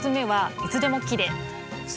いつでもきれい？